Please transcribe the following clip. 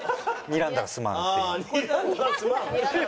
「にらんだらスマン」って。